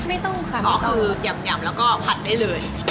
ไม่ต้องค่ะไม่ต้องอ๋อคือยำแล้วก็ผัดได้เลย